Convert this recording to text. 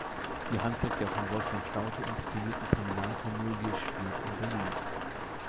Die Handlung der von Wolfgang Staudte inszenierten Kriminalkomödie spielt in Berlin.